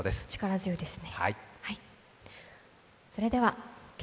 力強いですね。